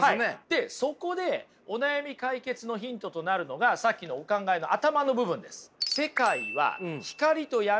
でそこでお悩み解決のヒントとなるのがさっきのお考えの頭の部分です。